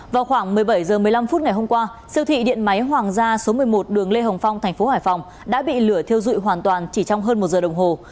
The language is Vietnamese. vào khoảng một mươi bảy h một mươi năm phút ngày hôm qua siêu thị điện máy hoàng gia số một mươi một đường lê hồng phong thành phố hải phòng đã bị lửa thiêu dụi hoàn toàn chỉ trong hơn một giờ đồng hồ